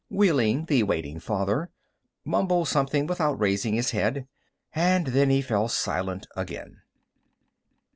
Wehling, the waiting father, mumbled something without raising his head. And then he fell silent again.